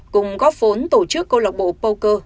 cùng góp vốn tổ chức câu lạc bộ poker